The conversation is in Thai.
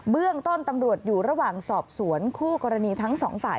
เรื่องต้นตำรวจอยู่ระหว่างสอบสวนคู่กรณีทั้งสองฝ่าย